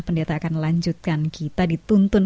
mari berjalan ke sion